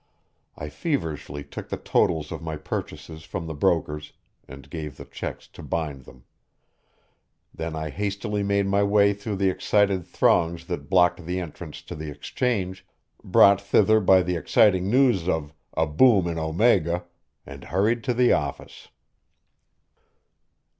I feverishly took the totals of my purchases from the brokers, and gave the checks to bind them. Then I hastily made my way through the excited throngs that blocked the entrance to the Exchange, brought thither by the exciting news of "a boom in Omega," and hurried to the office.